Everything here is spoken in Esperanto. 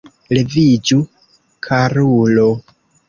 Leviĝu, karulo!